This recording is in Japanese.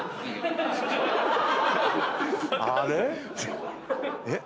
あれっ？えっ？